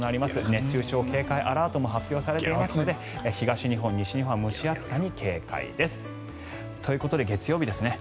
熱中症警戒アラートも発表されていますので東日本、西日本は蒸し暑さに警戒です。ということで月曜日ですね。